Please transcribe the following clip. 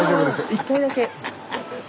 １回だけ。